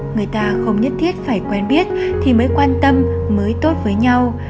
người ta không nhất thiết phải quen biết thì mới quan tâm mới tốt với nhau